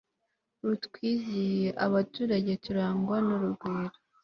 rutwizihiye abarutuye turangwa n urugwiro